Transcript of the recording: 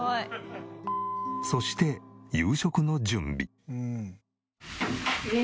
そして夕食の準備。